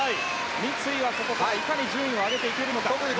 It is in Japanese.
三井はここからいかに順位を上げていけるのか。